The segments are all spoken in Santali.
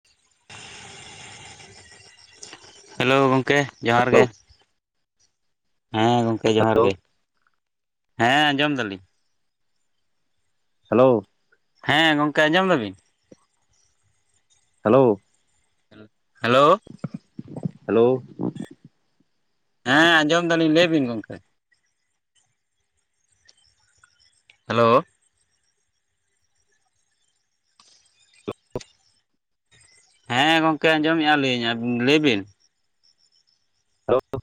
[inaudible] ᱦᱮᱞᱳᱣ ᱜᱚᱢᱠᱮ ᱡᱚᱦᱟᱨ ᱜᱮ ᱦᱮᱞᱳ ᱦᱮᱸ ᱜᱚᱢᱠᱮ ᱡᱚᱦᱟᱨ ᱜᱮ ᱦᱮᱞᱳ ᱦᱮᱸ ᱟᱡᱚᱢ ᱫᱟᱞᱤᱧ ᱦᱮᱞᱳ ᱦᱮᱸ ᱜᱚᱝᱠᱮ ᱟᱸᱡᱚᱢ ᱫᱟᱵᱤᱱ ᱦᱮᱞᱳ ᱦᱮᱞᱳ [inaudible] ᱦᱮᱞᱳ ᱦᱮᱸ ᱟᱸᱡᱚᱢ ᱫᱟᱞᱤᱧ ᱞᱟᱹᱭ ᱵᱤᱱ ᱜᱚᱝᱠᱮ ᱦᱮᱞᱳ [unintelligible] ᱦᱮᱸ ᱜᱚᱝᱠᱮ ᱟᱸᱡᱚᱢ ᱮᱜᱟ ᱞᱤᱧ ᱞᱟᱹᱭ ᱵᱤᱱ ᱦᱮᱞᱳ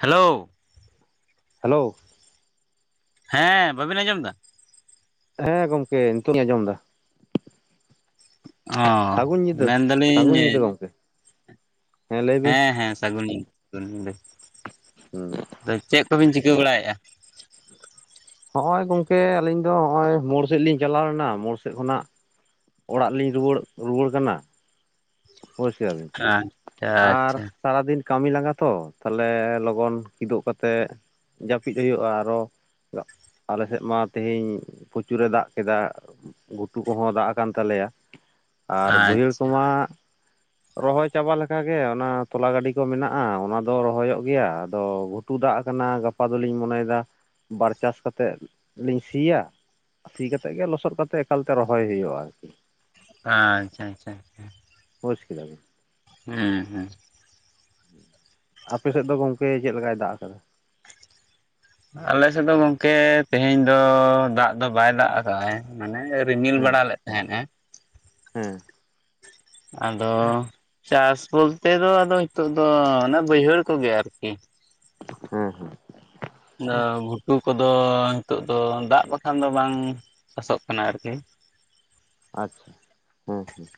ᱦᱮᱞᱳᱣ ᱦᱮᱞᱳ ᱦᱮᱸ ᱵᱟᱵᱤᱱ ᱟᱸᱡᱚᱢ ᱮᱫᱟ ᱦᱮᱸ ᱜᱚᱝᱠᱮ ᱱᱤᱛᱚᱜ ᱞᱤᱧ ᱟᱸᱡᱚᱢ ᱫᱟ ᱚ ᱥᱟᱹᱜᱩᱱ ᱧᱤᱫᱟᱹ ᱥᱟᱹᱜᱩᱱ ᱢᱮᱱᱫᱟᱞᱤᱧ ᱧᱤᱫᱟᱹ ᱜᱚᱢᱠᱮ ᱞᱟᱹᱭ ᱵᱤᱱ ᱦᱮᱸ ᱦᱮᱸ ᱥᱟᱹᱜᱩᱱ ᱥᱟᱹᱜᱩᱱ [unintelligible] ᱪᱮᱫ ᱠᱚᱵᱤᱱ ᱪᱤᱠᱟᱹ ᱵᱟᱲᱟᱭᱮᱫᱼᱟ ᱦᱚᱜᱼᱚᱭ ᱜᱚᱝᱠᱮ ᱟᱹᱞᱤᱧ ᱫᱚ ᱦᱚᱜᱼᱚᱭ ᱢᱳᱲ ᱥᱮᱫ ᱞᱤᱧ ᱪᱟᱞᱟᱣ ᱞᱮᱱᱟ ᱢᱳᱲ ᱥᱮᱫ ᱠᱷᱚᱱᱟᱜ ᱚᱲᱟᱜ ᱞᱤᱧ ᱨᱩᱣᱟᱹᱲ ᱨᱩᱣᱟᱹᱲ ᱠᱟᱱᱟ ᱵᱩᱪ ᱠᱮᱜᱟ ᱵᱤᱱ ᱟᱪᱪᱷᱟ ᱟᱨ ᱟᱪᱪᱷᱟ ᱥᱟᱨᱟ ᱫᱤᱱ ᱠᱟᱹᱢᱤ ᱞᱟᱸᱜᱟ ᱛᱚ ᱛᱟᱦᱞᱮ ᱞᱚᱜᱚᱱ ᱠᱤᱫᱩᱵ ᱠᱟᱛᱮ ᱡᱟᱹᱯᱤᱫ ᱦᱩᱭᱩᱜᱼᱟ ᱟᱨᱚ ᱟᱞ ᱥᱮᱫ ᱢᱟ ᱛᱮᱦᱤᱧ ᱯᱚᱪᱩᱨᱮ ᱫᱟᱜ ᱠᱮᱫᱟ ᱜᱷᱩᱴ ᱠᱚᱦᱚᱸ ᱫᱟᱜ ᱟᱠᱟᱱ ᱛᱟᱞᱮᱭᱟ [inaudible] ᱟᱨ ᱵᱟᱹᱭᱦᱟᱹᱲ ᱟᱪᱪᱷᱟ ᱠᱚᱢᱟ ᱨᱚᱦᱚᱭ ᱪᱟᱵᱟ ᱞᱮᱠᱟᱜᱮ ᱚᱱᱟ ᱛᱚᱞᱟ ᱜᱟᱹᱰᱤ ᱠᱚ ᱢᱮᱱᱟᱜᱼᱟ ᱚᱱᱟ ᱫᱚ ᱨᱚᱦᱚᱭᱚᱜ ᱜᱮᱭᱟ ᱟᱫᱚ ᱴᱩ ᱫᱟᱜ ᱟᱠᱟᱱᱟ ᱜᱟᱯᱟ ᱫᱚᱞᱤᱧ ᱢᱚᱱᱮᱭᱮᱫᱟ [inaudible] ᱵᱟᱨ ᱪᱟᱥ ᱠᱟᱛᱮᱫ [inaudible] ᱞᱤᱧ ᱥᱤᱭᱟ [inaudible] ᱥᱤ ᱠᱟᱛᱮᱫ ᱜᱮ ᱞᱚᱥᱚᱫ ᱠᱟᱛᱮ ᱮᱠᱟᱞᱛᱮ ᱨᱚᱦᱚᱭ ᱦᱩᱭᱩᱜᱼᱟ ᱟᱨᱠᱤ ᱟᱪᱪᱷᱟ ᱟᱪᱷᱟ ᱟᱪᱷᱟ ᱵᱩᱡ ᱠᱮᱫᱟ ᱵᱤᱱ ᱦᱮᱸ ᱦᱮᱸ ᱟᱯᱮᱥᱮᱫ ᱫᱚ ᱜᱚᱝᱠᱮ ᱪᱮᱫ ᱞᱮᱠᱟᱭ ᱫᱟᱜ ᱟᱠᱟᱫᱟ ᱟᱞᱮ ᱥᱮᱫ ᱫᱚ ᱜᱚᱝᱠᱮ ᱛᱮᱦᱮᱧ ᱫᱚ ᱫᱟᱜ ᱫᱚ ᱵᱟᱭ ᱫᱟᱜ ᱟᱠᱟ-ᱟᱭ ᱢᱟᱱᱮ ᱨᱤᱢᱤᱞ ᱦᱮᱸ ᱵᱟᱲᱟ ᱞᱮᱫ ᱛᱟᱦᱮᱸᱱ ᱮᱸ ᱦᱮᱸ ᱟᱫᱚ [inaudible] ᱪᱟᱥ ᱵᱚᱞᱛᱮ ᱫᱚ ᱟᱫᱚ ᱱᱤᱛᱚᱜ ᱫᱚ ᱚᱱᱮ ᱵᱟᱹᱭᱦᱟᱹᱲ ᱠᱚᱜᱮ ᱟᱨᱠᱤ ᱦᱮᱸ ᱦᱮᱸ ᱫᱚ ᱜᱷᱩᱴᱩ ᱠᱚᱫᱚ ᱱᱤᱛᱚᱜ ᱫᱚ ᱫᱟᱜ ᱵᱟᱠᱷᱟᱱ ᱫᱚ ᱵᱟᱝ [inaudible] ᱟᱥᱚᱜ ᱠᱟᱱᱟ ᱟᱨᱠᱤ ᱟᱪᱪᱷᱟ [inaudible] ᱦᱮᱸ ᱦᱮᱸ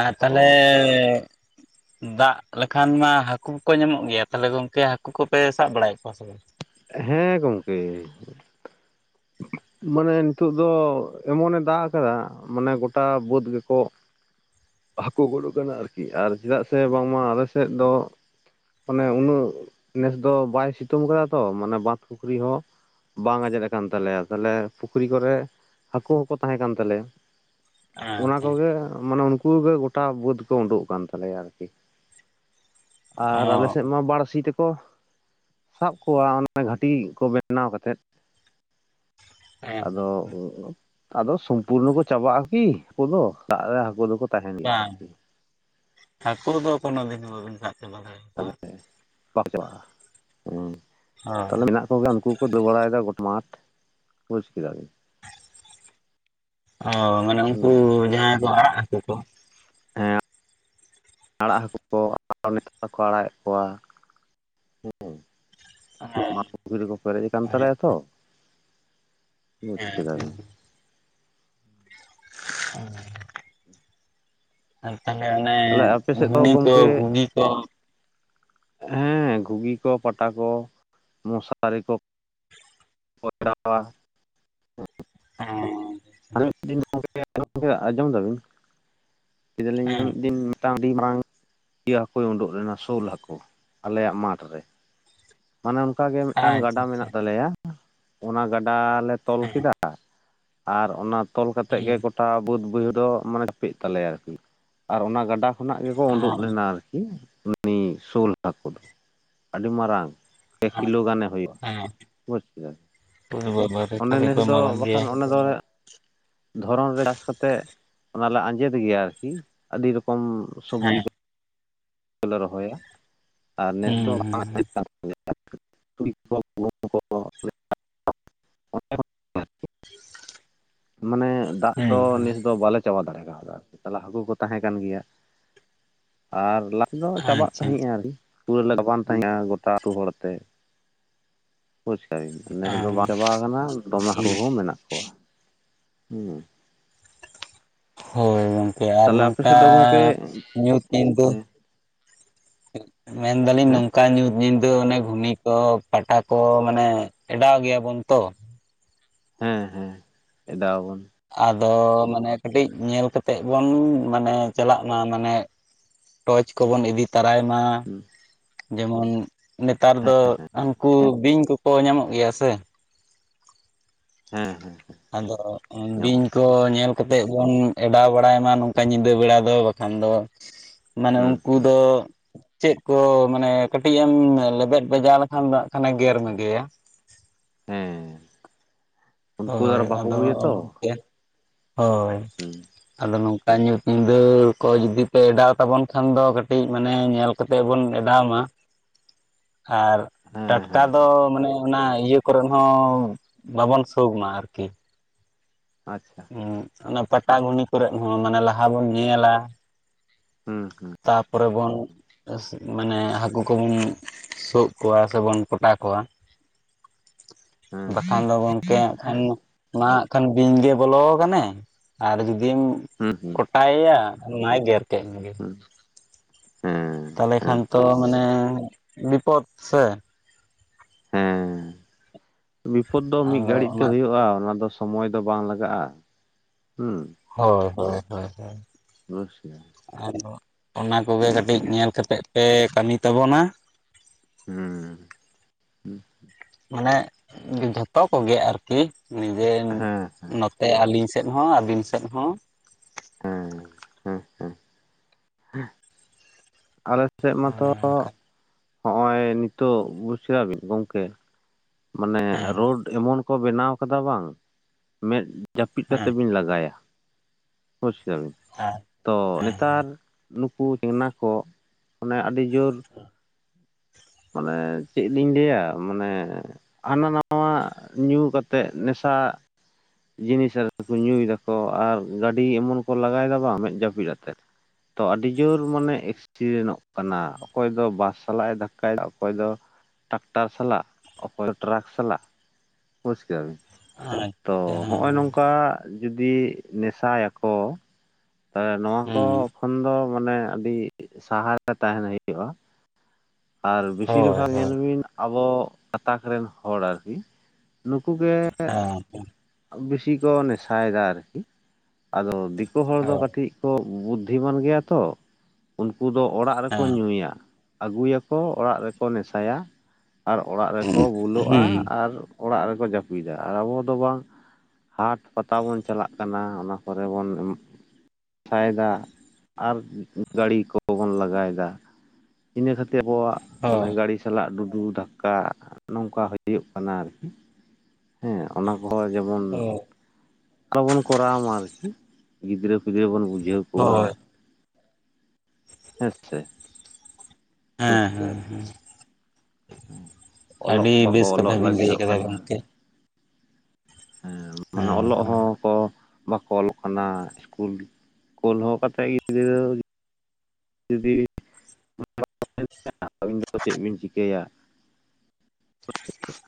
ᱟᱨ ᱛᱟᱦᱚᱞᱮᱮ ᱫᱟᱜ ᱞᱮᱠᱷᱟᱱ ᱢᱟ ᱦᱟᱹᱠᱩ ᱠᱚᱠᱚ ᱧᱟᱢᱚᱜ ᱜᱮᱭᱟ ᱛᱟᱦᱞᱮ ᱜᱚᱝᱠᱮ ᱦᱟᱹᱠᱩ ᱠᱚᱯᱮ ᱥᱟᱵ ᱵᱟᱲᱟᱭᱮᱫ ᱠᱚᱣᱟ ᱥᱮ ᱵᱟᱝ [inaudible] ᱦᱮᱸ ᱜᱚᱢᱠᱮ [inaudible] [inaudible] ᱢᱟᱱᱮ ᱱᱤᱛᱚᱜ ᱫᱚ ᱮᱢᱚᱱᱮ ᱫᱟᱜ ᱟᱠᱟᱫᱟ ᱢᱟᱱᱮ ᱜᱚᱴᱟ ᱵᱟᱹᱫᱽ ᱜᱮᱠᱚ ᱦᱟᱹᱠᱩ ᱜᱚᱜ ᱠᱟᱱᱟ ᱟᱨᱠᱤ ᱟᱨ ᱪᱮᱫᱟᱜ ᱥᱮ ᱵᱟᱝᱢᱟ ᱟᱞ ᱥᱮᱫ ᱫᱚ ᱢᱟᱱᱮ ᱩᱱᱟᱹᱜ ᱱᱮᱥ ᱫᱚ ᱵᱟᱭ ᱥᱤᱛᱩᱝ ᱟᱠᱟᱫᱟ ᱛᱚ ᱢᱟᱱᱮ ᱵᱟᱸᱫ ᱯᱩᱠᱷᱨᱤ ᱦᱚᱸ ᱵᱟᱝ ᱟᱸᱡᱮᱫ ᱟᱠᱟᱱ ᱛᱟᱞᱮᱭᱟ ᱛᱟᱦᱚᱞᱮ ᱯᱩᱠᱷᱨᱤ ᱠᱚᱨᱮ [inaudible] ᱦᱟᱹᱠᱩ ᱦᱚᱸᱠᱚ ᱛᱟᱦᱮᱸ ᱠᱟᱱ ᱛᱟᱞᱮᱭᱟ ᱚᱱᱟ ᱟᱪᱪᱷᱟ ᱠᱚᱜᱮ ᱢᱟᱱᱮ ᱩᱱᱠᱩ ᱜᱮ ᱜᱚᱴᱟ ᱵᱟᱹᱫᱽ ᱠᱚ ᱩᱰᱩᱠ ᱠᱟᱱ ᱛᱟᱞᱮᱭᱟ ᱟᱨᱠᱤ ᱟᱨ ᱚ ᱟᱞᱮᱥᱮᱫ ᱢᱟ ᱵᱟ. ᱲᱥᱤ ᱛᱮ ᱠᱚ [inaudible] ᱥᱟᱵ ᱠᱚᱣᱟ ᱚᱱᱟ ᱜᱷᱟᱴᱤ ᱠᱚ ᱵᱮᱱᱟᱣ ᱠᱟᱛᱮᱫ ᱦᱮᱸ [inaudible] ᱟᱫᱚ [unintelligible] ᱟᱫᱚ ᱥᱚᱢᱯᱩᱨᱱᱚ ᱠᱚ ᱪᱟᱵᱟᱜᱼᱟ ᱠᱤ ᱦᱟᱠᱩ ᱫᱚ ᱫᱟᱜ ᱨᱮ ᱦᱟᱹᱠᱩ ᱫᱚᱠᱚ ᱛᱟᱦᱮᱱ ᱜᱮᱭᱟ ᱵᱟᱝ ᱟᱨᱠᱤ [inaudible] ᱦᱟᱹᱠᱩ ᱫᱚ ᱠᱚᱱᱚ ᱫᱤᱱ ᱦᱚ ᱵᱟᱵᱤᱱ ᱥᱟᱵ ᱪᱟᱵᱟ ᱫᱟᱲᱮᱭᱟᱠᱚᱣᱟ ᱛᱟᱦᱚᱞᱮ ᱵᱟᱠᱚ ᱪᱟᱵᱟᱜᱼᱟ [inaudible] ᱦᱩᱸ ᱛᱟᱦᱚᱞᱮ ᱦᱳᱭ ᱢᱮᱱᱟᱜ ᱠᱚᱜᱮ ᱩᱱᱠᱩᱠᱚ ᱫᱟᱹᱲ ᱵᱟᱲᱟᱭᱮᱫᱟ ᱜᱚᱴ ᱢᱟᱴ ᱵᱩᱡᱽ ᱠᱮᱫᱟ ᱵᱤᱱ ᱚ ᱢᱟᱱᱮ ᱩᱱᱠᱩ ᱦᱩᱸ ᱡᱟᱦᱟᱸᱭ ᱠᱚ ᱟᱲᱟᱜ ᱦᱟᱹᱠᱩ ᱠᱚ ᱦᱮᱸ [inaudible] ᱟᱲᱟᱜ ᱦᱟᱹᱠᱩ ᱠᱚ ᱟᱨ ᱱᱮᱛᱟᱨᱠᱚ ᱟᱲᱟᱜᱮᱫ ᱠᱚᱣᱟ [inaudible] ᱢᱟᱴ ᱯᱩᱠᱷᱤ ᱨᱮᱠᱚ ᱯᱮᱨᱮᱡ ᱟᱠᱟᱱ ᱦᱮᱸ ᱛᱟᱞᱮᱭᱟ ᱛᱚ ᱵᱩᱡᱷ ᱦᱮᱸ ᱠᱮᱫᱟᱵᱤᱱ [unintelligible] ᱟᱨ ᱛᱟᱦᱚᱞᱮ ᱚᱱᱮ ᱛᱟᱦᱚᱞᱮ ᱟᱯᱮ ᱥᱮᱫ ᱫᱚ ᱜᱷᱩᱱᱤ ᱠᱚ ᱜᱚᱢᱠᱮ ᱜᱷᱩᱜᱤ ᱠᱚ ᱦᱮᱸ ᱜᱷᱩᱜᱤ ᱠᱚ ᱯᱟᱴᱟ ᱠᱚ [inaudible] ᱢᱚᱥᱟᱨᱤ ᱠᱚ [unintelligible] [inaudible] ᱦᱮᱸ ᱟᱨ ᱢᱤᱫ ᱫᱤᱱ ᱜᱚᱢᱠᱮ [unintelligible] ᱟᱸᱡᱚᱢ ᱫᱟᱵᱤᱱ ᱠᱮᱫᱟᱞᱤᱧ ᱦᱚᱸ ᱦᱮᱸ ᱢᱤᱫ ᱫᱤᱱ ᱴᱟᱝ ᱟᱹᱰᱤ ᱢᱟᱨᱟᱝ [inaudible] ᱤᱭᱟᱹ ᱦᱟᱹᱠᱩᱭ ᱩᱰᱩᱠ ᱞᱮᱱᱟ ᱥᱳᱞ ᱦᱟᱹᱠᱩ [inaudible] ᱟᱞᱮᱭᱟᱜ ᱢᱟᱴᱷ ᱨᱮ ᱚᱱᱮ ᱚᱱᱠᱟ ᱜᱮ ᱢᱤᱫᱴᱟᱝ ᱟᱪᱪᱷᱟ ᱜᱟᱰᱟ ᱟᱪᱪᱷᱟ ᱢᱮᱱᱟᱜ ᱛᱟᱞᱮᱭᱟ [inaudible] ᱚᱱᱟ ᱜᱟᱰᱟ ᱞᱮ ᱛᱚᱞ ᱦᱮᱸ ᱠᱮᱫᱟ ᱟ [inaudible] ᱟᱨ ᱚᱱᱟ ᱛᱚᱞ ᱠᱟᱛᱮ ᱜᱮ ᱦᱮᱸ ᱜᱚᱴ ᱜᱚᱴᱟ ᱵᱟᱹᱫᱽ ᱵᱟᱹᱭᱦᱟᱹᱲ ᱫᱚ ᱢᱟᱱᱮ [unintelligible] ᱛᱟᱞᱮᱭᱟ ᱠᱤᱱ ᱟᱨ ᱚᱱᱟ ᱜᱟᱰᱟ ᱩᱱᱟᱜ ᱜᱮᱠᱚ ᱩᱰᱩᱠ ᱞᱮᱱᱟ ᱟᱨᱠᱤ [inaudible] ᱩᱱᱤ ᱥᱳᱞ ᱦᱟᱹᱠᱩ ᱫᱚ [inaudible] ᱟᱹᱰᱤ ᱢᱟᱨᱟᱝ ᱮᱠ ᱠᱤᱞᱳ ᱜᱟᱱᱮ ᱦᱩᱭᱩᱜᱼᱟ ᱦᱮᱸ [inaudible] ᱵᱩᱡᱽ ᱠᱮᱫᱟ ᱳᱭ ᱵᱟᱵᱟ ᱨᱮ ᱚᱱᱮ ᱛᱟᱦᱚᱞᱮ ᱱᱮᱥ ᱛᱚ ᱫᱚ ᱢᱟᱨᱟᱝ ᱜᱮᱭᱟ ᱵᱟᱠᱷᱟᱱ ᱚᱱᱟ ᱫᱚ ᱫᱷᱚᱨᱚᱱ ᱨᱮ ᱪᱟᱥ ᱠᱟᱛᱮᱜ ᱚᱱᱟᱞᱮ ᱟᱸᱡᱮᱫ ᱜᱮᱭᱟ ᱟᱨᱠᱤ ᱟᱹᱰᱤ ᱨᱚᱠᱚᱢ ᱥᱚᱵᱡᱤ ᱦᱮᱸ ᱠᱚ ᱠᱚᱞᱮ ᱨᱚᱦᱚᱭᱟ ᱟᱨ ᱱᱮᱥ ᱦᱩᱸ ᱫᱚ [unintelligible] [unintelligible] [inaudible] ᱢᱟᱱᱮ ᱫᱟᱜ ᱦᱩᱸ ᱫᱚ ᱦᱩᱸ ᱱᱮᱥ ᱫᱚ ᱵᱟᱞᱮ ᱪᱟᱵᱟ ᱫᱟᱲᱮ ᱠᱟᱣᱫᱟ ᱛᱟᱦᱞᱮ ᱦᱟᱹᱠᱩ ᱠᱚ ᱛᱟᱦᱮᱸ ᱠᱟᱱ ᱜᱮᱭᱟ ᱟᱨ ᱞᱟ ᱫᱚ ᱦᱩᱸ ᱪᱟᱵᱟᱜ ᱟᱪᱪᱷᱟ ᱛᱟᱦᱮᱸᱜᱼᱟ [unintelligible] ᱜᱟᱵᱟᱱ ᱛᱟᱦᱮᱸᱜᱼᱟ ᱜᱚᱴᱟ ᱟᱹᱛᱩ ᱦᱚᱲ ᱛᱮ᱾ ᱯᱚᱪᱠᱟᱨᱤᱧᱫ ᱱᱮᱥ ᱫᱚ ᱵᱟᱝ ᱪᱟᱵᱟ ᱠᱟᱱᱟ ᱫᱚᱢᱮ ᱦᱟᱠᱩ ᱦᱚᱸ ᱢᱮᱱᱟᱜ ᱠᱚᱣᱟ ᱦᱩᱸ᱾ ᱦᱳᱭ ᱜᱚᱝᱠᱮ ᱟᱨ ᱛᱟᱦᱚᱞᱮ ᱟᱯᱮ ᱱᱚᱝᱠᱟ ᱥᱮᱫ ᱫᱚ ᱜᱚᱝᱠᱮ ᱧᱩᱛ ᱧᱤᱫᱟᱹ ᱦᱮᱸ ᱢᱮᱱᱫᱟᱞᱤᱧ ᱦᱮᱸ ᱱᱚᱝᱠᱟ ᱧᱩᱛ ᱧᱤᱫᱟᱹ ᱚᱱᱮ ᱜᱷᱩᱱᱤ ᱠᱚ ᱯᱟᱴᱟ ᱠᱚ ᱢᱟᱱᱮ ᱮᱰᱟᱣ ᱜᱮᱭᱟᱵᱚᱱ ᱛᱚ᱾ ᱦᱮᱸ ᱦᱮᱸ ᱮᱰᱟᱣᱟᱵᱚᱱ᱾ ᱟᱫᱚ ᱢᱟᱱᱮ ᱠᱟᱹᱴᱤᱡ ᱧᱮᱞ ᱠᱟᱛᱮᱜ ᱵᱚᱱ ᱢᱟᱱᱮ ᱪᱟᱞᱟᱜ ᱢᱟ ᱢᱟᱱᱮ ᱴᱚᱨᱪ ᱠᱚᱵᱚᱱ ᱤᱫᱤ ᱛᱟᱨᱟᱭ ᱢᱟ᱾ ᱡᱮᱢᱚᱱ ᱱᱮᱛᱟᱨ ᱫᱚ ᱦᱟᱹᱝᱠᱩ ᱵᱤᱧ ᱠᱚᱠᱚ ᱧᱟᱢᱚᱜ ᱜᱮᱭᱟ ᱥᱮ᱾ ᱦᱮᱸ ᱦᱮᱸ ᱟᱫᱚ ᱵᱤᱧ ᱧᱟᱢᱚᱜᱼᱟ ᱠᱚ ᱧᱮᱞ ᱠᱟᱛᱮᱜ ᱵᱚᱱ ᱮᱰᱟᱣ ᱵᱟᱲᱟᱭ ᱢᱟ ᱱᱚᱝᱠᱟ ᱧᱤᱫᱟᱹ ᱵᱮᱲᱟ ᱫᱚ ᱵᱟᱠᱷᱟᱱ ᱫᱚ ᱢᱟᱱᱮ ᱦᱩᱸ ᱩᱝᱠᱩ ᱦᱩᱸ ᱫᱚ ᱪᱮᱫ ᱠᱚ ᱢᱟᱱᱮ ᱠᱟᱹᱴᱤᱡ ᱮᱢ ᱞᱮᱵᱮᱫ ᱵᱟᱡᱟᱣ ᱞᱮᱠᱷᱟᱱ ᱫᱚ ᱱᱟᱜ ᱠᱷᱟᱱᱮ ᱜᱮᱨ ᱢᱮ ᱜᱮᱭᱟ᱾ ᱦᱮᱸ ᱩᱱᱠᱩ ᱫᱚ ᱦᱳᱭ ᱟᱨ ᱵᱟᱠᱚ ᱟᱫᱚ ᱵᱩᱡᱟ ᱛᱚ ᱜᱚᱝᱠᱮ ᱦᱳᱭ ᱦᱩᱸ ᱟᱫᱚ ᱱᱚ ᱠᱟ ᱧᱩᱛ ᱧᱤᱫᱟᱹ ᱠᱚ ᱡᱩᱫᱤ ᱯᱮ ᱮᱰᱟᱣ ᱛᱟᱵᱚᱱ ᱠᱷᱟᱱ ᱫᱚ ᱠᱟᱹᱴᱤᱡ ᱢᱟᱱᱮ ᱧᱮᱞ ᱠᱟᱛᱮᱜ ᱵᱚᱱ ᱮᱰᱟᱣ ᱢᱟ᱾ ᱟᱨ ᱦᱮᱸ ᱴᱟᱴᱠᱟ ᱦᱮᱸ ᱫᱚ ᱢᱟᱱᱮ ᱚᱱᱟ ᱤᱭᱟᱹ ᱠᱚᱨᱮ ᱦᱚᱸ ᱵᱟᱵᱚᱱ ᱥᱳᱜ ᱢᱟ ᱟᱨᱠᱤ᱾ ᱟᱪᱷᱟ ᱦᱩᱸ ᱚᱱᱟ ᱯᱟᱴᱟ ᱜᱷᱩᱱᱤ ᱠᱚᱨᱮᱜ ᱦᱚᱸ ᱢᱟᱱᱮ ᱞᱟᱦᱟ ᱵᱚᱱ ᱧᱮᱞᱟ᱾ ᱦᱩᱸ ᱦᱩᱸ ᱛᱟᱯᱚᱨᱮ ᱵᱚᱱ ᱢᱟᱱᱮ ᱦᱟᱹᱠᱩ ᱠᱚᱵᱚᱱ ᱥᱳᱜ ᱠᱚᱣᱟ ᱥᱮᱵᱚᱱ ᱠᱚᱴᱟ ᱠᱚᱣᱟ᱾ ᱦᱮᱸ ᱦᱮᱸ ᱵᱟᱠᱷᱟᱱ ᱫᱚᱵᱚᱱ ᱠᱮ ᱠᱷᱟᱱ ᱢᱟ ᱦᱟᱸᱜ ᱠᱷᱟᱱ ᱵᱤᱧ ᱜᱮ ᱵᱚᱞᱚᱣ ᱠᱟᱱᱮ ᱟᱨ ᱡᱩᱫᱤᱢ ᱦᱩᱸ ᱦᱩᱸ ᱠᱚᱴᱟᱭᱮᱭᱟ ᱢᱟᱭ ᱜᱮᱨ ᱠᱮᱜ ᱢᱮᱜᱮ᱾ [inaudible] ᱦᱮᱸ ᱛᱟᱞᱮ ᱦᱮᱸ ᱠᱷᱟᱱ ᱛᱚ ᱢᱟᱱᱮ ᱵᱤᱯᱚᱫ ᱥᱮ᱾ ᱦᱮᱸ ᱵᱤᱯᱚᱫ ᱫᱚ ᱢᱤᱜ ᱟᱫᱚ ᱜᱷᱟᱹᱲᱤᱡ ᱛᱮ ᱚᱱᱟᱛᱮ ᱦᱩᱭᱩᱜᱼᱟ ᱚᱱᱟ ᱫᱚ ᱥᱚ ᱥᱚᱢᱚᱭ ᱫᱚ ᱵᱟᱝ ᱞᱟᱜᱟᱜᱼᱟ᱾ ᱦᱩᱸ ᱦᱳᱭ ᱦᱳᱭ ᱦᱳᱭ ᱦᱳᱭ [unintelligible] ᱟᱫᱚ ᱚᱱᱟ ᱠᱚᱜᱮ ᱠᱟᱹᱴᱤᱡ ᱧᱮᱞ ᱠᱟᱛᱮᱜ ᱯᱮ ᱠᱟᱹᱢᱤ ᱛᱟᱵᱚᱱᱟ᱾ ᱦᱩᱸ ᱢᱟᱱᱮ ᱡᱷᱚᱛᱚ ᱠᱚᱜᱮ ᱟᱨᱠᱤ ᱧᱤᱫᱟᱹ ᱦᱮᱸ ᱱᱚ ᱛᱮ ᱟᱞᱤᱧ ᱥᱮᱫ ᱦᱚᱸ ᱟᱹᱵᱤᱱ ᱥᱮᱫ ᱦᱚᱸ ᱮᱸ ᱦᱮᱸ ᱦᱮᱸ ᱦᱮᱸ ᱟᱞᱮᱥᱮᱜ ᱢᱟᱛᱚ ᱚᱱᱮ ᱚᱱᱠᱟ ᱦᱚᱸᱜᱼᱚᱭ ᱱᱤᱛᱚᱜ ᱵᱩᱡ ᱠᱮᱫᱟᱵᱤᱱ ᱜᱚᱝᱠᱮ ᱢᱟᱱᱮ ᱦᱮᱸ ᱨᱳᱰ ᱮᱢᱚᱱ ᱠᱚ ᱵᱮᱱᱟᱣ ᱠᱟᱫᱟ ᱵᱟᱝ ᱢᱮᱫ ᱡᱟᱹᱯᱤᱫ ᱠᱟᱛᱮ ᱦᱮᱸ ᱵᱤᱱ ᱞᱟᱜᱟᱭᱟ ᱵᱩᱡᱽ ᱠᱮᱫᱟᱵᱤᱱ ᱦᱮᱸ ᱛᱚ ᱦᱮᱸ ᱱᱮᱛᱟᱨ ᱱᱩᱠᱩ ᱪᱮᱝᱱᱟ ᱠᱚ ᱟᱱᱮ ᱟᱹᱰᱤ ᱡᱩᱨ ᱢᱟᱱᱮ ᱪᱮᱫ ᱞᱤᱧ ᱞᱟᱹᱭᱟ ᱢᱟᱱᱮ ᱦᱟᱱᱟ ᱱᱟᱣᱟ ᱧᱩ ᱠᱟᱛᱮᱫ ᱱᱮᱥᱟ ᱡᱤᱱᱤᱥ ᱨᱮ ᱠᱚ ᱧᱩᱭᱮᱫᱟ ᱠᱚ ᱟᱨ ᱜᱟᱹᱰᱤ ᱮᱢᱚᱱ ᱠᱚ ᱞᱟᱜᱟᱭᱮᱫᱟ ᱵᱟᱝ ᱢᱮᱫ ᱡᱟᱹᱯᱤᱫ ᱟᱛᱮᱫ ᱛᱚ ᱟᱹᱰᱤ ᱡᱳᱨ ᱢᱟᱱᱮ ᱮᱠᱥᱤᱰᱮᱱᱚᱜ ᱠᱟᱱᱟ ᱚᱠᱚᱭ ᱫᱚ ᱵᱟᱥ ᱥᱟᱞᱟᱜ ᱮ ᱫᱷᱟᱠᱠᱟ ᱚᱠᱚᱭ ᱫᱚ ᱴᱟᱠᱴᱟᱨ ᱥᱟᱞᱟᱜ ᱚᱠᱚᱭ ᱫᱚ ᱴᱨᱟᱠ ᱥᱟᱞᱟᱜ ᱵᱩᱡᱽ ᱠᱮᱜᱟᱵᱤᱱ ᱦᱮᱸ ᱛᱚ ᱟᱪᱪᱷᱟ ᱦᱮᱸ ᱦᱚᱜᱼᱚᱭ ᱱᱚᱝᱠᱟ ᱡᱩᱫᱤ ᱱᱮᱥᱟᱭᱟᱠᱚ ᱛᱚ ᱱᱚᱣᱟ ᱠᱚ ᱦᱮᱸ ᱠᱷᱚᱱ ᱫᱚ ᱢᱟᱱᱮ ᱟᱹᱰᱤ ᱥᱟᱦᱟᱨ ᱨᱮ ᱛᱟᱦᱮᱱ ᱦᱩᱭᱩᱜᱼᱟ ᱟᱨ ᱵᱮᱥᱤᱨ ᱦᱳᱭ ᱵᱷᱟᱜᱽ ᱦᱳᱭ ᱧᱮᱞ ᱵᱤᱱ ᱟᱵᱚ ᱜᱟᱛᱟᱠ ᱨᱮᱱ ᱦᱚᱲ ᱟᱨᱠᱤ ᱱᱩᱠᱩ ᱜᱮ ᱦᱮᱸ ᱵᱮᱥᱤ ᱠᱚ ᱱᱮᱥᱟᱭᱮᱫᱟ ᱟᱨᱠᱤ ᱟᱫᱚ ᱫᱤᱠᱩ ᱦᱚᱲ ᱫᱚ ᱦᱳᱭ ᱠᱟᱹᱴᱤᱡ ᱠᱚ ᱵᱩᱫᱽᱫᱷᱤᱢᱟᱱ ᱜᱮᱭᱟ ᱛᱚ ᱩᱱᱠᱩ ᱫᱚ ᱚᱲᱟᱜ ᱨᱮ ᱠᱚ ᱦᱮᱸ ᱧᱩᱭᱟ ᱟᱹᱜᱩᱭᱟᱠᱚ ᱚᱲᱟᱜ ᱨᱮᱠᱚ ᱱᱮᱥᱟᱭᱟ ᱟᱨ ᱚᱲᱟᱜ ᱨᱮᱠᱚ ᱵᱩᱞᱩᱜᱼᱟ ᱦᱩᱸ ᱟᱨ ᱚᱲᱟᱜ ᱨᱮᱠᱚ ᱡᱟᱹᱯᱤᱫᱟ ᱟᱨ ᱟᱵᱚ ᱫᱚ ᱵᱟᱝ ᱦᱟᱴ ᱯᱟᱛᱟ ᱵᱚᱱ ᱪᱟᱞᱟᱜ ᱠᱟᱱᱟ ᱚᱱᱟ ᱠᱚᱨᱮ ᱵᱚᱱ ᱯᱷᱟᱭᱮᱫᱟ ᱟᱨ ᱜᱟᱹᱲᱤ ᱠᱚᱵᱚᱱ ᱞᱟᱜᱟᱭᱮᱫᱟ ᱤᱱᱟᱹ ᱠᱷᱟᱹᱛᱤᱨ ᱛᱮ ᱟᱵᱚᱣᱟᱜ ᱢᱟᱱᱮ ᱦᱳᱭ ᱜᱟᱹᱰᱤ ᱥᱟᱞᱟᱜ ᱰᱩᱰᱩ ᱫᱷᱟᱠᱟ ᱱᱚᱝᱠᱟ ᱦᱩᱭᱩᱜ ᱠᱟᱱᱟ ᱟᱨᱠᱤ ᱦᱮᱸ ᱚᱱᱟ ᱠᱚᱦᱚᱸ ᱡᱮᱢᱚᱱ ᱦᱳᱭ ᱟᱞᱚᱵᱚᱱ ᱠᱚᱨᱟᱣ ᱢᱟ ᱟᱨᱠᱤ ᱜᱤᱫᱽᱨᱟᱹ ᱯᱤᱫᱽᱨᱟᱹ ᱵᱚᱱ ᱵᱩᱡᱷᱟᱹᱣ ᱠᱚᱣᱟ ᱦᱳᱭ [unintelligible] ᱦᱮᱸ ᱦᱮᱸ ᱦᱮᱸ ᱚᱞᱚᱜ ᱟᱹᱰᱤ ᱵᱟᱠᱚ ᱵᱮᱥ ᱠᱟᱛᱷᱟ ᱚᱞᱚᱜ ᱵᱤᱱ ᱞᱟᱹᱭ ᱞᱟᱹᱜᱤᱫᱚᱜ ᱠᱟᱫᱟ ᱜᱚᱝᱠᱮ ᱦᱩᱸ ᱢᱟᱱᱮ ᱦᱮᱸ ᱚᱞᱚᱜ ᱦᱮᱸ ᱦᱚᱸᱠᱚ ᱵᱟᱠᱚ ᱚᱞᱚᱜ ᱠᱟᱱᱟ [inaudible] ᱠᱟᱛᱮᱫ ᱜᱤᱫᱽᱨᱟᱹ ᱡᱩᱫᱤ [inaudible] ᱪᱮᱫ ᱵᱤᱱ ᱪᱤᱠᱟᱹᱭᱟ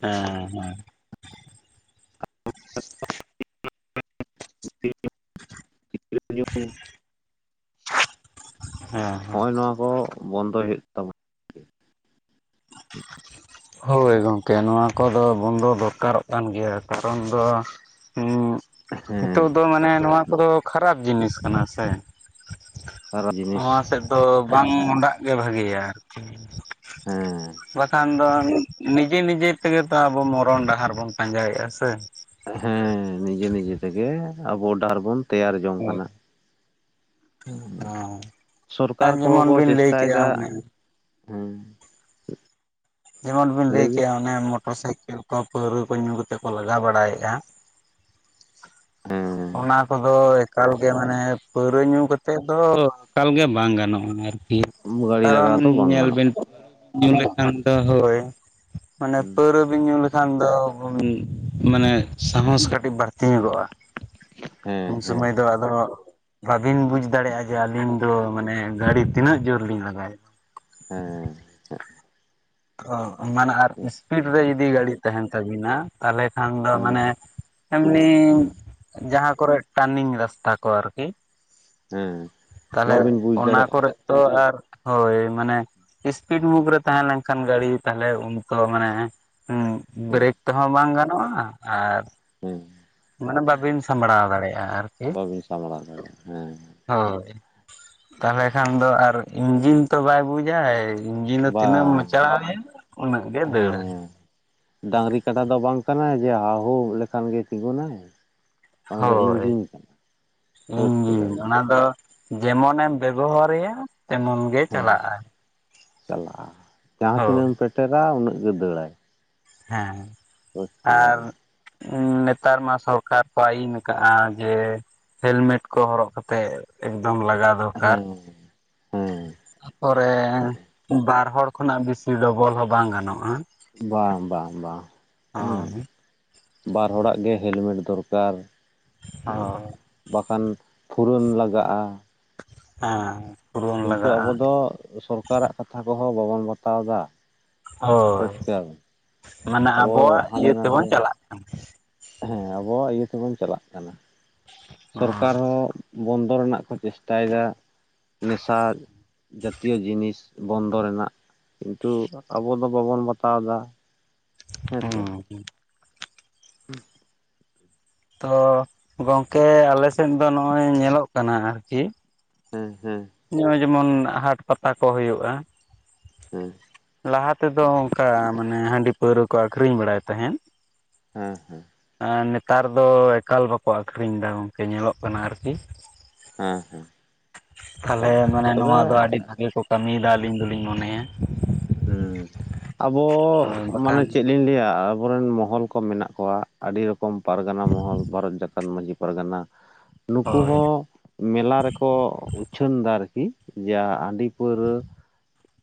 ᱦᱮᱸ ᱦᱮᱸ [unintelligible] [unintelligible] ᱦᱮᱸ ᱱᱚᱜ ᱦᱮᱸ ᱚᱭ ᱱᱚᱣᱟ ᱠᱚ ᱵᱚᱱᱫᱚᱭ ᱦᱩᱭᱩᱜ ᱛᱟᱵᱚᱱᱟ ᱦᱳᱭ ᱜᱚᱢᱠᱮ ᱱᱚᱣᱟ ᱠᱚᱫᱚ ᱵᱚᱱᱫᱚ ᱫᱚᱨᱠᱟᱨᱚᱜ ᱠᱟᱱ ᱜᱮᱭᱟ ᱠᱟᱨᱚᱱ ᱫᱚ ᱦᱮᱸ ᱦᱮᱸ ᱱᱤᱛᱚᱜ ᱫᱚ ᱢᱟᱱᱮ ᱱᱚᱣᱟ ᱠᱚᱫᱚ ᱠᱷᱟᱨᱟᱯ ᱡᱤᱱᱤᱥ ᱠᱟᱱᱟ ᱥᱮ ᱠᱷᱟᱨᱟᱯ ᱡᱤᱱᱤᱥ ᱱᱚᱣᱟ ᱥᱮᱫ ᱫᱚ ᱵᱟᱝ ᱢᱚᱰᱟᱜ ᱜᱮ ᱵᱷᱟᱜᱮᱭᱟ ᱟᱨᱠᱤ ᱦᱮᱸ ᱵᱟᱠᱷᱟᱱ ᱫᱚ ᱱᱤᱡᱮ ᱱᱤᱡᱮ ᱛᱮᱜᱮ ᱛᱚ ᱟᱵᱚ ᱢᱚᱨᱚᱱ ᱰᱟᱦᱟᱨ ᱵᱚᱱ ᱯᱟᱸᱡᱟᱭᱮᱫᱼᱟ ᱥᱮ ᱦᱮᱸ ᱱᱤᱡᱮ ᱱᱤᱡᱮ ᱛᱮᱜᱮ ᱟᱵᱚ ᱰᱟᱦᱟᱨ ᱵᱚᱱ ᱛᱮᱭᱟᱨ ᱡᱚᱝ ᱦᱳᱭ ᱠᱟᱱᱟ ᱦᱩᱸ ᱦᱮᱸ ᱟᱨ ᱥᱚᱨᱠᱟᱨ ᱠᱚᱦᱚᱸ ᱡᱮᱢᱚᱱ ᱠᱚ ᱵᱤᱱ ᱞᱟᱹᱭ ᱪᱮᱥᱴᱟᱭᱮᱫᱟ ᱠᱮᱜᱼᱟ ᱚᱱᱮ ᱦᱩᱸ ᱡᱮᱢᱚᱱ ᱵᱤᱱ ᱞᱟᱹᱭ ᱠᱮᱜᱼᱟ ᱚᱱᱮ ᱢᱚᱴᱚᱨ ᱥᱟᱭᱠᱮᱞ ᱠᱚ ᱯᱟᱹᱣᱨᱟᱹ ᱠᱚ ᱧᱩ ᱠᱟᱛᱮᱫ ᱠᱚ ᱞᱟᱜᱟᱣ ᱵᱟᱲᱟᱭᱮᱫᱼᱟ ᱚᱱᱟ ᱠᱚ ᱫᱚ ᱮᱠᱟᱞ ᱜᱮ ᱢᱟᱱᱮ ᱯᱟᱹᱣᱨᱟᱹ ᱧᱩ ᱠᱟᱛᱮᱫ ᱫᱚ ᱮᱠᱟᱞ ᱜᱮ ᱵᱟᱝ ᱜᱟᱱᱚᱜᱼᱟ ᱟᱨᱠᱤ ᱜᱟᱹᱲᱤ ᱞᱟᱜᱟᱣ ᱠᱟᱨᱚᱱ ᱫᱚ ᱵᱟᱝ ᱧᱮᱞ ᱵᱤᱱ ᱜᱟᱱᱚᱜᱼᱟ ᱧᱩ ᱞᱮᱠᱷᱟᱱ ᱫᱚ ᱦᱳᱭ ᱢᱟᱱᱮ ᱯᱟᱹᱨᱣᱟᱹ ᱵᱤᱱ ᱧᱩ ᱞᱮᱠᱷᱟᱱ ᱫᱚ ᱢᱟᱱᱮ ᱥᱟᱦᱚᱥ ᱠᱟᱹᱴᱤᱡ ᱵᱟᱹᱲᱛᱤ ᱧᱚᱜᱚᱜᱼᱟ ᱦᱮᱸ ᱩᱱ ᱦᱮᱸ ᱥᱚᱢᱚᱭ ᱫᱚ ᱟᱫᱚ ᱵᱟᱹᱵᱤᱱ ᱵᱩᱡᱽ ᱫᱟᱲᱮᱭᱟᱜᱼᱟ ᱡᱮ ᱟᱹᱞᱤᱧ ᱫᱚ ᱢᱟᱱᱮ ᱜᱟᱹᱲᱤ ᱛᱤᱱᱟᱹᱜ ᱡᱳᱨ ᱞᱤᱧ ᱞᱟᱜᱟᱭᱮᱫ ᱦᱮᱸ ᱚ ᱢᱟᱱᱮ ᱟᱨ ᱤᱥᱯᱤᱰ ᱟᱪᱪᱷᱟ ᱨᱮ ᱡᱩᱫᱤ ᱜᱟᱹᱰᱤ ᱛᱟᱦᱮᱱ ᱛᱟᱵᱤᱱᱟ ᱛᱟᱦᱚᱞᱮ ᱠᱷᱟᱱ ᱫᱚ ᱢᱟᱱᱮ ᱦᱩᱸ ᱮᱢᱱᱤ ᱦᱩᱸ ᱡᱟᱦᱟᱸ ᱠᱚᱨᱮ ᱴᱟᱨᱱᱤᱝ ᱨᱟᱥᱛᱟ ᱠᱚ ᱟᱨᱠᱤ ᱦᱮᱸ ᱛᱟᱦᱚᱞᱮ ᱵᱟᱵᱤᱱ ᱵᱩᱡᱽ ᱚᱱᱟ ᱫᱟᱲᱮᱭᱟᱜᱼᱟ ᱠᱚᱨᱮ ᱛᱚ ᱟᱨ ᱦᱳᱭ ᱢᱟᱱᱮ ᱤᱥᱯᱤᱰ ᱢᱩᱠ ᱨᱮ ᱛᱟᱦᱮᱸ ᱱᱟᱹᱭ ᱠᱷᱟᱱ ᱜᱟᱹᱲᱤ ᱛᱟᱦᱚᱞᱮ ᱩᱱ ᱛᱚ ᱢᱟᱱᱮ ᱦᱩᱸ ᱵᱨᱮᱠ ᱛᱮᱦᱚᱸ ᱵᱟᱝ ᱜᱟᱱᱚᱜᱼᱟ ᱟᱨ ᱦᱩᱸ ᱢᱟᱱᱮ ᱵᱟᱵᱤᱱ ᱥᱟᱢᱵᱲᱟᱣ ᱫᱟᱲᱮᱭᱟᱜᱼᱟ ᱟᱨᱠᱤ ᱵᱟᱹᱵᱤᱱ ᱥᱟᱢᱵᱲᱟᱣ ᱫᱟᱲᱮᱭᱟᱜᱼᱟ ᱦᱮᱸ ᱦᱳᱭ ᱛᱟᱦᱚᱞᱮ ᱠᱷᱟᱱ ᱫᱚ ᱟᱨ ᱤᱧᱡᱤᱱ ᱛᱚ ᱵᱟᱭ ᱵᱩᱡᱽᱟᱭ ᱤᱧᱡᱤᱱ ᱫᱚ ᱛᱤᱱᱟᱹᱜ ᱮᱢ ᱵᱟᱝ ᱢᱟᱪᱟᱣᱼᱟ ᱩᱱᱟᱹᱜ ᱜᱮ ᱫᱟᱹᱲᱟᱭ ᱰᱟᱸᱝᱨᱤ ᱠᱟᱰᱟ ᱫᱚ ᱵᱟᱝ ᱠᱟᱱᱟᱭ ᱡᱮ ᱦᱟ ᱦᱳ ᱞᱮᱠᱷᱟᱱ ᱜᱮ ᱛᱤᱸᱜᱩᱱᱟᱭ ᱚᱱᱟ ᱫᱚ ᱦᱳᱭ ᱤᱧᱡᱤᱱ ᱠᱟᱱᱟ ᱵᱩᱡᱽ ᱤᱧᱡᱤᱱ ᱠᱮᱫᱟ ᱵᱤᱱ ᱚᱱᱟ ᱫᱚ ᱡᱮᱢᱚᱱᱮᱢ ᱵᱮᱵᱚᱦᱟᱨᱮᱭᱟ ᱛᱮᱢᱚᱱ ᱜᱮ ᱦᱮᱸ ᱪᱟᱞᱟᱜᱼᱟᱭ ᱪᱟᱞᱟᱜᱼᱟ ᱡᱟᱦᱟᱸ ᱛᱤᱱᱟᱹᱜ ᱦᱳᱭ ᱮᱢ ᱯᱮᱴᱮᱨᱟ ᱩᱱᱟᱹᱜ ᱜᱮ ᱫᱟᱹᱲᱟᱭ ᱦᱮᱸ ᱵᱩᱡᱽ ᱠᱮᱫᱟ ᱟᱨ ᱵᱤᱱ ᱩᱸ ᱱᱮᱛᱟᱨ ᱢᱟ ᱥᱚᱨᱠᱟᱨ ᱠᱚ ᱟᱭᱤᱱ ᱟᱠᱟᱜ-ᱟ ᱡᱮ ᱦᱮᱞᱢᱮᱴ ᱠᱚ ᱦᱚᱨᱚᱜ ᱠᱟᱛᱮ ᱮᱠᱫᱚᱢ ᱞᱟᱜᱟ ᱫᱚᱨᱠᱟᱨ ᱦᱮᱸ ᱦᱮᱸ ᱛᱟᱯᱚᱨᱮ ᱵᱟᱨ ᱦᱚᱲ ᱠᱷᱚᱱᱟᱜ ᱵᱤᱥᱤ ᱰᱚᱵᱚᱞ ᱦᱚᱸ ᱵᱟᱝ ᱜᱟᱱᱚᱜᱼᱟ ᱵᱟᱝ ᱵᱟᱝ ᱵᱟᱝ ᱦᱩᱸ ᱦᱳᱭ ᱵᱟᱨ ᱦᱚᱲᱟᱜ ᱜᱮ ᱦᱮᱞᱢᱮᱴ ᱫᱚᱨᱠᱟᱨ ᱦᱚ ᱵᱟᱠᱷᱟᱱ ᱯᱷᱩᱨᱟᱹᱱ ᱞᱟᱜᱟᱜᱼᱟ ᱦᱮᱸ ᱯᱩᱨᱟᱹᱢ ᱠᱤᱱᱛᱩ ᱞᱟᱜᱟᱜᱼᱟ ᱟᱵᱚ ᱫᱚ ᱥᱚᱨᱠᱟᱨᱟᱜ ᱠᱟᱛᱷᱟ ᱠᱚᱦᱚᱸ ᱵᱟᱵᱚᱱ ᱵᱟᱛᱟᱣ ᱮᱫᱟ ᱦᱳᱭ ᱯᱚᱨᱤᱥᱠᱟᱨ ᱢᱟᱱᱮ ᱟᱵᱚ ᱟᱵᱚᱣᱟᱜ ᱦᱟᱸᱰᱮ ᱤᱭᱟᱹ ᱱᱟᱰᱮ ᱛᱮᱵᱚᱱ ᱪᱟᱞᱟᱜ ᱠᱟᱱᱟ ᱦᱮᱸ ᱟᱵᱚᱣᱟᱜ ᱤᱭᱟᱹ ᱛᱮᱵᱚᱱ ᱪᱟᱞᱟᱜ ᱠᱟᱱᱟ ᱠᱟᱱᱟ ᱥᱚᱨᱠᱟᱨ ᱦᱚᱸ ᱵᱚᱱᱫᱚ ᱨᱮᱱᱟᱜ ᱠᱚ ᱪᱮᱥᱴᱟᱭᱮᱫᱟ ᱱᱮᱥᱟ ᱡᱟᱛᱤᱭᱚ ᱡᱤᱱᱤᱥ ᱵᱚᱱᱫᱚ ᱨᱮᱱᱟᱜ ᱠᱤᱱᱛᱩ ᱟᱵᱚ ᱫᱚ ᱵᱟᱵᱚᱱ ᱵᱟᱛᱟᱣ ᱮᱫᱟ ᱦᱮᱸ ᱥᱮ ᱦᱩᱸ ᱦᱩᱸ [unintelligible] ᱛᱚ ᱜᱚᱝᱠᱮ ᱟᱞᱮ ᱥᱮᱱ ᱫᱚ ᱱᱚᱜᱼᱚᱭ ᱧᱮᱞᱚᱜ ᱠᱟᱱᱟ ᱟᱨᱠᱤ ᱦᱮᱸ ᱦᱮᱸ ᱱᱚᱜᱼᱚᱭ ᱡᱮᱢᱚᱱ ᱦᱟᱴ ᱯᱟᱛᱟ ᱠᱚ ᱦᱩᱭᱩᱜᱼᱟ ᱦᱮᱸ ᱞᱟᱦᱟ ᱛᱮᱫᱚ ᱚᱱᱠᱟ ᱢᱟᱱᱮ ᱦᱟᱺᱰᱤ ᱯᱟᱹᱣᱨᱟᱹ ᱠᱚ ᱟᱠᱷᱨᱤᱧ ᱵᱟᱲᱟᱭ ᱛᱟᱸᱦᱮᱫ ᱦᱮᱸ ᱦᱮᱸ ᱮᱸ ᱱᱮᱛᱟᱨ ᱫᱚ ᱮᱠᱟᱞ ᱵᱟᱠᱚ ᱟᱠᱷᱨᱤᱧ ᱮᱫᱟ ᱜᱚᱝᱠᱮ ᱧᱮᱞᱚᱜ ᱠᱟᱱᱟ ᱟᱨᱠᱤ ᱦᱮᱸ ᱦᱮᱸ ᱛᱟᱦᱞᱮ ᱦᱳᱭ ᱢᱟᱱᱮ ᱛᱚᱵᱮ ᱱᱚᱣᱟ ᱫᱚ ᱟᱰᱤ ᱵᱷᱟᱜᱤ ᱠᱚ ᱠᱟᱹᱢᱤᱭᱮᱫᱟ ᱟᱹᱞᱤᱧ ᱫᱚᱞᱤᱧ ᱢᱚᱱᱮᱭᱟ ᱦᱩᱸ ᱟᱵᱚ ᱦᱳᱭ ᱢᱟᱱᱮ ᱵᱟᱠᱷᱟᱱ ᱪᱮᱫ ᱟᱞᱤᱧ ᱞᱟᱹᱭᱟ ᱟᱵᱚᱨᱮᱱ ᱢᱚᱦᱚᱞ ᱠᱚ ᱢᱮᱱᱟᱜ ᱠᱚᱣᱟ ᱟᱹᱰᱤ ᱨᱚᱠᱚᱢ ᱯᱟᱨᱜᱟᱱᱟ ᱢᱚᱦᱚᱞ ᱵᱷᱟᱨᱚᱛ ᱡᱟᱠᱟᱛ ᱢᱟᱺᱡᱷᱤ ᱯᱟᱨᱜᱟᱱᱟ [inaudible] ᱱᱩᱠᱩ ᱦᱚᱸ ᱢᱮᱞᱟ ᱨᱮᱠᱚ ᱩᱪᱷᱟᱹᱱ ᱮᱫᱟ ᱟᱨᱠᱤ ᱡᱮ ᱦᱟᱺᱰᱤ ᱯᱟᱹᱣᱨᱟᱹ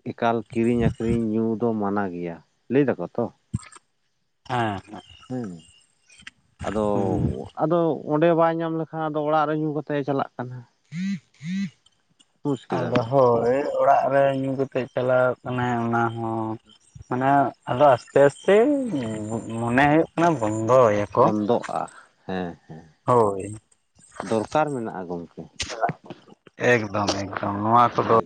ᱮᱠᱟᱞ ᱠᱤᱨᱤᱧ ᱟᱠᱷᱨᱤᱧ ᱧᱩ ᱫᱚ ᱢᱟᱱᱟ ᱜᱮᱭᱟ ᱞᱟᱹᱭ ᱫᱟᱠᱚ ᱛᱚ ᱦᱮᱸ ᱦᱮᱸ ᱦᱮᱸ ᱟᱫᱚ ᱦᱩᱸ ᱟᱫᱚ ᱚᱸᱰᱮ ᱵᱟᱭ ᱧᱟᱢ ᱞᱮᱠᱷᱟᱱ ᱟᱫᱚ ᱚᱲᱟᱜ ᱨᱮ ᱧᱩ ᱠᱟᱛᱮᱭ ᱮ ᱪᱟᱞᱟᱜ ᱠᱟᱱᱟ ᱵᱩᱡᱽ ᱠᱮᱫᱟ ᱟᱫᱚ ᱵᱤᱱ ᱦᱳᱭ ᱚᱲᱟᱜ ᱨᱮ ᱧᱩ ᱠᱟᱛᱮᱜ ᱮ ᱪᱟᱞᱟᱣᱚᱜ ᱠᱟᱱᱟᱭ ᱚᱱᱟ ᱦᱚᱸ ᱢᱟᱱᱮ ᱟᱫᱚ ᱟᱥᱛᱮ ᱟᱥᱛᱮ ᱢᱚᱱᱮ ᱦᱩᱭᱩᱜ ᱠᱟᱱᱟ ᱵᱚᱱᱫᱚᱭᱟᱠᱚ ᱵᱚᱱᱫᱚᱜᱼᱟ ᱦᱮᱸ ᱦᱮᱸ ᱦᱳᱭ ᱫᱚᱨᱠᱟᱨ ᱢᱮᱱᱟᱜᱼᱟ ᱜᱚᱝᱠᱮ [unintelligible] ᱮᱠᱫᱚᱢ ᱮᱠᱫᱚᱢ ᱱᱚᱣᱟ ᱠᱚᱫᱚ